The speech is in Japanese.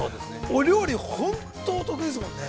◆お料理、本当お得意ですもんね。